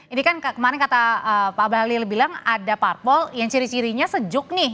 ini kan kemarin kata pak bahlil bilang ada parpol yang ciri cirinya sejuk nih